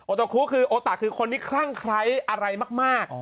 ตะคุคือโอตะคือคนที่คลั่งไคร้อะไรมาก